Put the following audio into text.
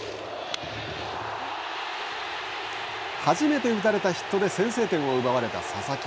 初めて打たれたヒットで先制点を奪われた佐々木。